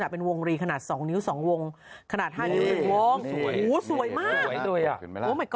เป็นวงรีขนาด๒นิ้ว๒วงขนาด๕นิ้วสวยมาก